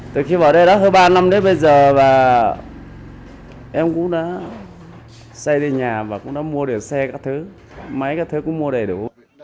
từ khi vào đây đã hơn ba năm đến bây giờ và em cũng đã xây đi nhà và cũng đã mua được xe các thứ máy các thứ cũng mua đầy đủ